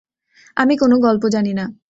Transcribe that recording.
আমি কোনো গল্প জানি না।